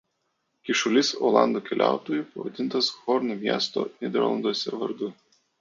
Kyšulys olandų keliautojų pavadintas Horno miesto Nyderlanduose vardu.